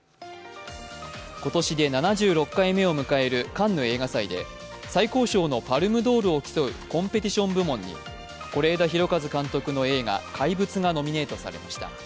今年で７６回目を迎えるカンヌ映画祭で最高賞のパルムドールを競うコンペティション部門に是枝裕和監督の映画「怪物」がノミネートされました。